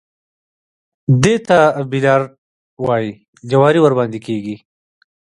دې ته بيليارډ وايي جواري ورباندې کېږي.